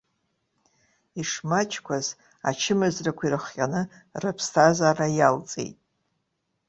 Ишмаҷқәаз ачымазарақәа ирыхҟьаны рыԥсҭазаара иалҵит.